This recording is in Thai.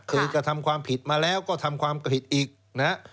กระทำความผิดมาแล้วก็ทำความผิดอีกนะฮะ